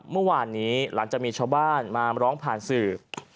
เมื่อวานนี้หลังจากมีชาวบ้านมาร้องผ่านสื่อ